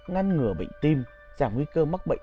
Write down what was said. ngăn ngừa bệnh tim giảm nguy cơ mắc bệnh